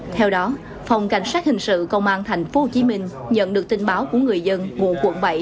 theo đó phòng cảnh sát hình sự công an tp hcm nhận được tin báo của người dân ngụ quận bảy